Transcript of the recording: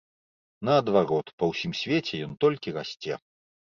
Наадварот, па ўсім свеце ён толькі расце.